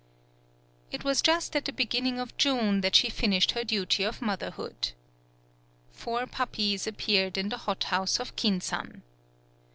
It was just at the beginning of June that she finished her duty of mother hood. Four puppies appeared in the hot house of Kin san.